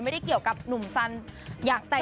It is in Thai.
ไม่ได้เกี่ยวกับหนุ่มสันอย่างใดอย่างใด